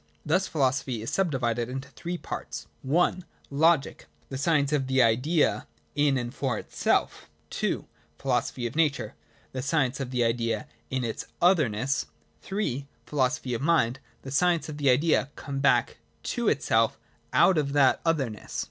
Thus philosophy is sub divided into three parts ; I. Logic, the science of the Idea in and for itself i8.j PHILOSOPHY, HOW TRIPARTITE. 29 II. The Philosophy of Nature : the science of the Idea in its otherness. III. The Philosophy of Mind: the science of the Idea come back to itself out of that otherness.